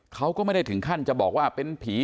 เขาก็ไม่ได้ถึงขั้นจะบอกว่าเป็นผี